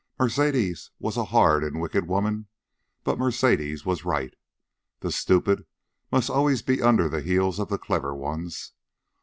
Mercedes was a hard and wicked woman, but Mercedes was right. The stupid must always be under the heels of the clever ones.